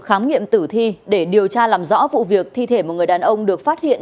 khám nghiệm tử thi để điều tra làm rõ vụ việc thi thể một người đàn ông được phát hiện